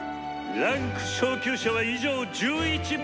「位階昇級者は以上１１名！